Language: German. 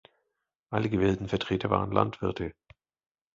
Alle gewählten Vertreter waren Landwirte.